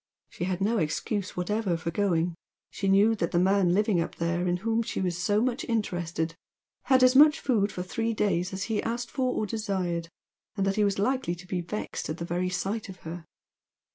She had no excuse whatever for going; she knew that the man living up there in whom she was so much interested had as much food for three days as he asked for or desired, and that he was likely to be vexed at the very sight of her.